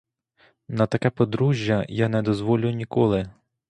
На таке подружжя я не дозволю ніколи!